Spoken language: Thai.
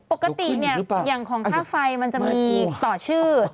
ปกติเนี่ยอย่างของค่าไฟมันจะมีต่อชื่อ